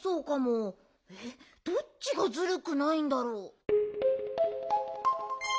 えっどっちがずるくないんだろう？